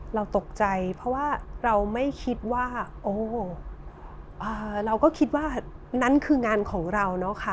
เราตกใจเพราะว่าเราไม่คิดว่าโอ้เราก็คิดว่านั่นคืองานของเราเนอะค่ะ